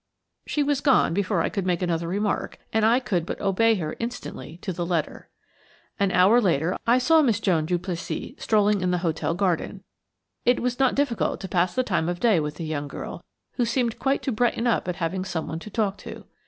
She was gone before I could make another remark, and I could but obey her instantly to the letter. An hour later I saw Miss Joan Duplessis strolling in the hotel garden. It was not difficult to pass the time of day with the young girl, who seemed quite to brighten up at having someone to talk to